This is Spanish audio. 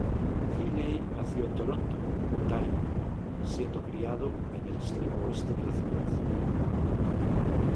Healey nació en Toronto, Ontario, siendo criado en el extremo oeste de la ciudad.